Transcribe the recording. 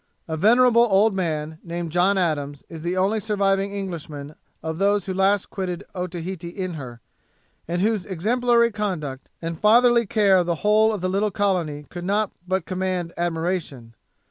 A venerable old man, named John Adams, is the only surviving Englishman of those who last quitted Otaheite in her, and whose exemplary conduct, and fatherly care of the whole of the little colony, could not but command admiration.